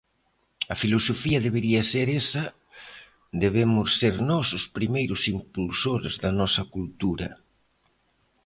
A filosofía debería ser esa, debemos ser nós os primeiros impulsores da nosa cultura.